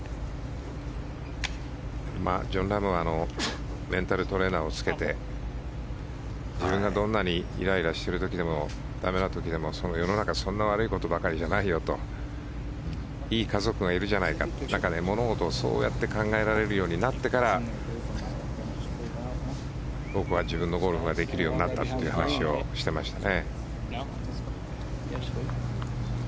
ジョン・ラームはメンタルトレーナーをつけて自分がどんなにイライラしている時でも駄目な時でも、世の中そんな悪いことばかりじゃないよといい家族がいるじゃないかって物事をそう考えられるようになってから僕は自分のゴルフができるようになったという話をしていましたね。